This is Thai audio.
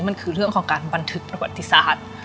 มันคือเรื่องของการบันทึกประวัติศาสตร์